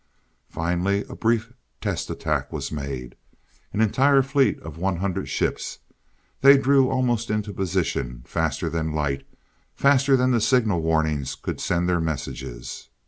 Finally, a brief test attack was made, with an entire fleet of one hundred ships. They drew almost into position, faster than light, faster than the signaling warnings could send their messages.